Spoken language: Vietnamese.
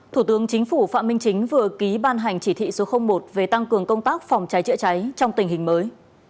thủ tướng chính phủ phạm minh chính vừa ký ban hành chỉ thị số một về tăng cường công tác phòng cháy chữa cháy trong tình hình mới